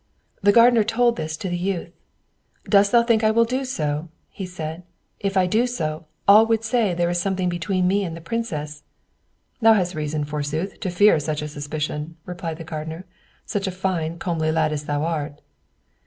The gardener told this to the youth. "Dost thou think I will do so?" said he. "If I do so, all will say there is something between me and the princess." "Thou hast reason, forsooth, to fear such a suspicion," replied the gardener, "such a fine, comely lad as thou art."